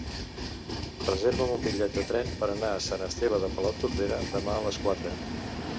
Reserva'm un bitllet de tren per anar a Sant Esteve de Palautordera demà a les quatre.